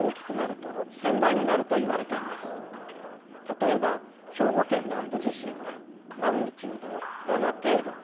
例えば兵庫県南部地震はマグニチュード７程度。